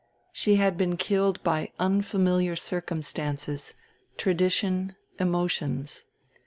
She had been killed by unfamiliar circumstances, tradition, emotions.